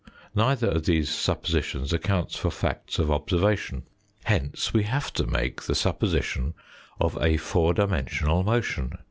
Neither of these suppositions accounts for facts of observation. Hence we have to make the supposition of a four dimensional motion.